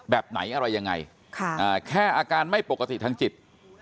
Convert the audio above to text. แบบไหนอะไรยังไงแค่อาการไม่ปกติทางจิต